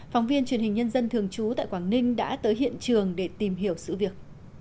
phóng viên truyền hình nhân dân thường trú tại quảng ninh đã tới hiện trường để tìm hiểu sự việc